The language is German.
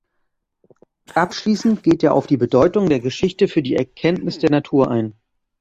Abschließend geht er auf die Bedeutung der Geschichte für die Erkenntnis der Natur ein.